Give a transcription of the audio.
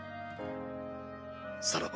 さらば。